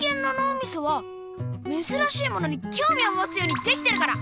みそはめずらしいものにきょうみをもつようにできてるから！